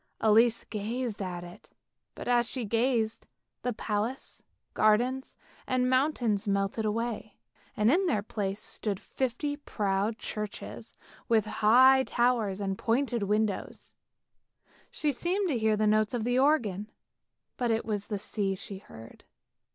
Elise gazed at it, but as she gazed the palace, gardens and mountains melted away, and in their place stood twenty proud churches with their high towers and pointed windows. She seemed to hear the notes of the organ, but it was the sea she heard.